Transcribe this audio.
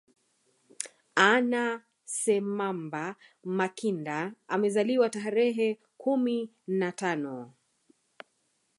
Anna Semamba Makinda amezaliwa tarehe kumi na tano